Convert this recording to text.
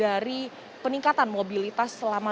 dari peningkatan mobilitas selama